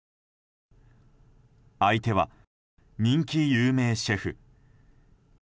相手は人気有名シェフ。